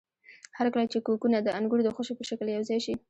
هرکله چې کوکونه د انګور د خوشې په شکل یوځای شي.